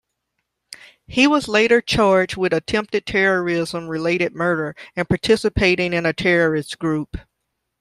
He was later charged with attempted terrorism-related murder and participating in a terrorist group.